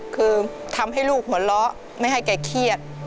คือทำให้ลูกหัวเราะไม่ให้แกเครียด